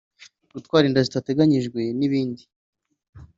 gutwara inda zitateganijwe n’ibindi